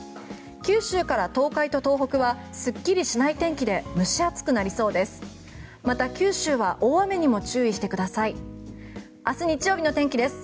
九州から東海と東北はすっきりしない天気で蒸し暑くなりそうです。